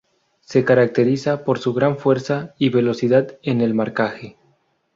Se caracteriza por su gran fuerza y velocidad en el marcaje.